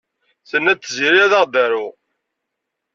Tenna-d Tiziri ad aɣ-d-taru.